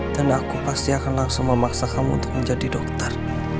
dan aku pasti akan langsung memaksa kamu untuk menjadi dokter